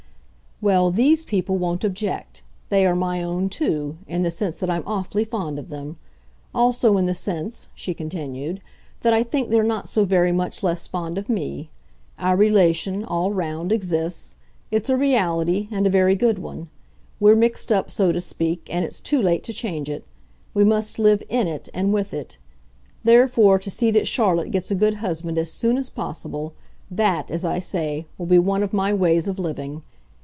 "Well, these people won't object. They are my own too in the sense that I'm awfully fond of them. Also in the sense," she continued, "that I think they're not so very much less fond of me. Our relation, all round, exists it's a reality, and a very good one; we're mixed up, so to speak, and it's too late to change it. We must live IN it and with it. Therefore to see that Charlotte gets a good husband as soon as possible that, as I say, will be one of my ways of living.